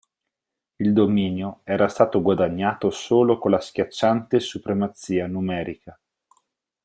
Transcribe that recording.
Il dominio era stato guadagnato solo con la schiacciante supremazia numerica.